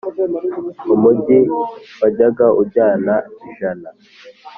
umugi wajyaga ujyana ijana,